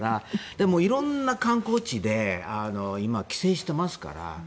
でも、色んな観光地で今、規制していますから。